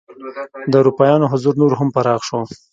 د اروپایانو حضور نور هم پراخ شو.